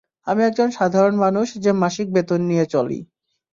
আমি একজন সাধারণ মানুষ, যে মাসিক বেতন নিয়ে চলি।